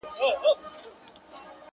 ډېر نومونه سول په منځ کي لاندي باندي٫